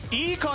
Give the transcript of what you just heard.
いい。